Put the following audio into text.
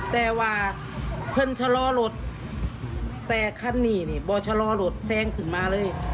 แต่ว่าเพื่อนชะลอรถแต่คันนี้นี่บ่อชะลอรถแซงขึ้นมาเลย